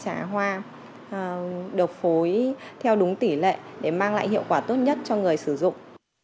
trà hoa được phối theo đúng tỷ lệ để mang lại hiệu quả tốt nhất cho người sử dụng